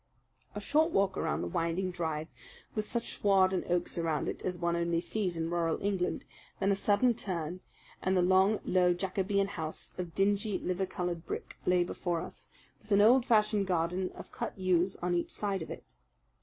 A short walk along the winding drive with such sward and oaks around it as one only sees in rural England, then a sudden turn, and the long, low Jacobean house of dingy, liver coloured brick lay before us, with an old fashioned garden of cut yews on each side of it.